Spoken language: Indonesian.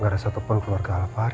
gak ada satu pun keluarga alfari